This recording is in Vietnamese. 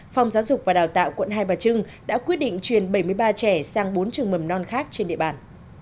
phòng giáo dục và đào tạo quận hai bà trưng đã quyết định truyền bảy mươi ba trẻ sang bốn trường mầm non khác trên địa bàn